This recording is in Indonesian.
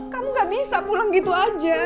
kamu gak bisa pulang gitu aja